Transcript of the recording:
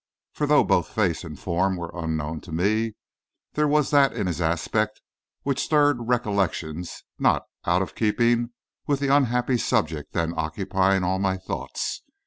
For though both face and form were unknown to me, there was that in his aspect which stirred recollections not out of keeping with the unhappy subject then occupying all my thoughts.